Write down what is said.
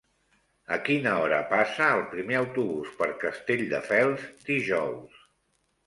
A quina hora passa el primer autobús per Castelldefels dijous?